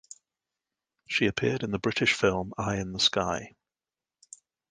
She appeared in the British film "Eye in the Sky".